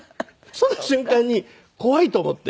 その瞬間に怖いと思って。